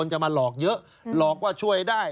จะมาหลอกเยอะหลอกว่าช่วยได้